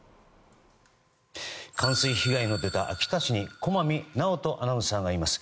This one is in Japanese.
冠水被害の出た秋田市に駒見直音アナウンサーがいます。